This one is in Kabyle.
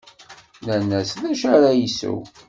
Nnan-as d acu ara isew.